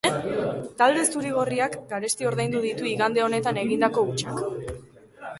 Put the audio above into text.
Talde zuri-gorriak garesti ordaindu ditu igande honetan egindako hutsak.